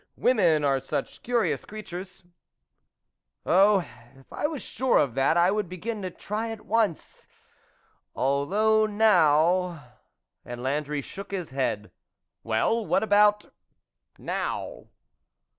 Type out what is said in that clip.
Women are such curious creatures ?"" Oh, if I was sure of that, I would be gin to try at once .... although now ...." and Landry shook his head. " Well, what about ... now